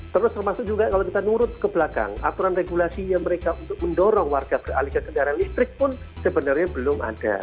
terus termasuk juga kalau kita nurut ke belakang aturan regulasinya mereka untuk mendorong warga beralih ke kendaraan listrik pun sebenarnya belum ada